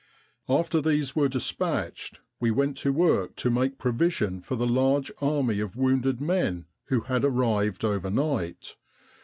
"After these were dispatched we went to work to make provision for the large army of wounded men who had arrived overnight.